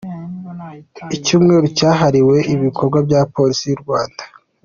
Icyumweru cyahariwe ibikorwa bya Polisi y’u Rwanda